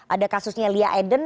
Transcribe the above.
ada kasusnya lia eden